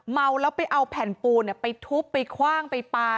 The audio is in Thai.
เมาแล้วไปเอาแผ่นปูนไปทุบไปคว่างไปปลา